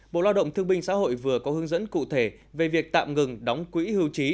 bộ lao động thương binh xã hội vừa có hướng dẫn cụ thể về việc tạm ngừng đóng quỹ hưu trí